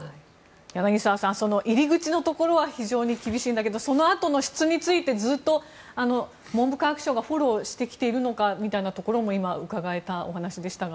柳澤さんその入り口ところは難しいんだけどそのあとの質については文部科学省がフォローしてきているのかみたいなところもうかがえたお話でしたが。